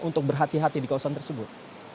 untuk berhati hati di kawasan tersebut